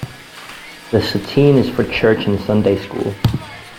The sateen is for church and Sunday school.